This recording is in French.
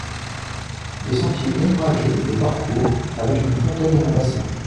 Des sentiers ombragés le parcourent, avec une fontaine et un bassin.